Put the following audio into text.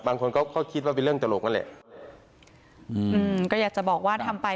บางคนก็ก็คิดว่าเป็นเรื่องตลกนั่นแหละอืมก็อยากจะบอกว่าทำไป